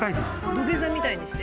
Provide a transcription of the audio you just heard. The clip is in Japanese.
土下座みたいにして？